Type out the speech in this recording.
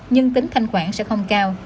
nhưng tính thanh khoản sẽ không cao